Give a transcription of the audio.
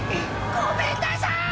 「ごめんなさい！